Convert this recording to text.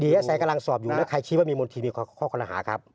เอสไอกำลังสอบอยู่แล้วใครคิดว่ามีมณฑีมีข้อคอรหาครับ